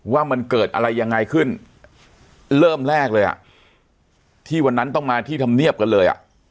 ว่ามันเกิดอะไรยังไงขึ้นเริ่มแรกเลยอ่ะที่วันนั้นต้องมาที่ธรรมเนียบกันเลยอ่ะ